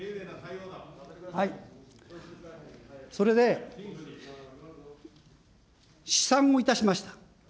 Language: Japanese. それで、試算をいたしました。